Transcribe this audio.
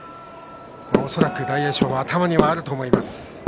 恐らく大栄翔は頭にはあると思います。